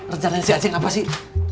rencana si anjing apa sih